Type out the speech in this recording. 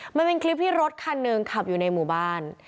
มันเป็นคลิปที่รถคันหนึ่งขับอยู่ในหมู่บ้าน